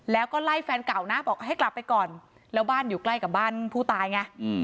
แล้วก็ไล่แฟนเก่านะบอกให้กลับไปก่อนแล้วบ้านอยู่ใกล้กับบ้านผู้ตายไง